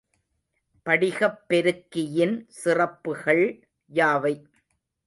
படிகப்பெருக்கியின் சிறப்புகள் யாவை?